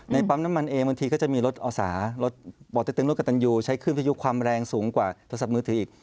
ปั๊มน้ำมันเองบางทีก็จะมีรถอศารถบ่อเต็กตึงรถกระตันยูใช้ขึ้นทยุความแรงสูงกว่าโทรศัพท์มือถืออีก